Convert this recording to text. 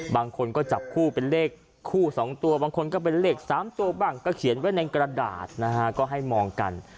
บางคนก็จับคู่เป็นเลขคู่๒ตัวบางคนก็เป็นเลข๓ตัวบ้างก็เขียนไว้ในกระดาษนะฮะก็ให้มองกัน